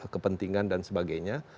kepentingan dan sebagainya